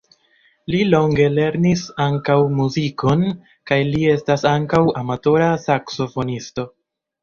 Li longe lernis ankaŭ muzikon kaj li estas ankaŭ amatora saksofonisto.